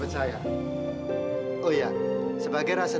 terima kasih searing oporkan